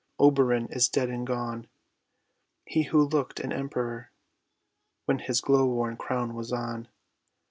Oberon is dead and gone! He who looked an emperor When his glow worm crown was on.